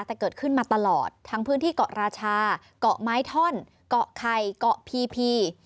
แต่เกิดขึ้นมาตลอดทั้งพื้นที่เกาะราชาเกาะไม้ท่อนเกาะไข่เกาะพีพี